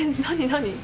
何？